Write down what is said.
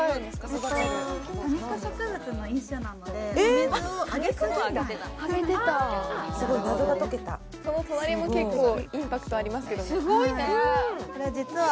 育てる多肉植物の一種なのでお水をあげすぎないすごい謎が解けたその隣も結構インパクトありますけどすごいね！